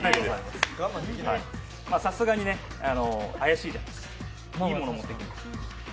さすがに怪しいですからいいものを持ってきました。